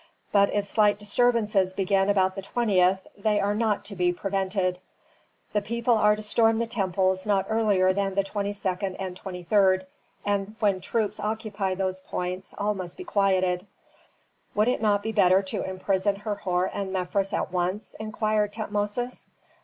But if slight disturbances begin about the 20th, they are not to be prevented. The people are to storm the temples not earlier than the 22d and 23d. And when troops occupy those points all must be quieted." "Would it not be better to imprison Herhor and Mefres at once?" inquired Tutmosis.